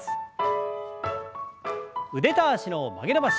腕と脚の曲げ伸ばし。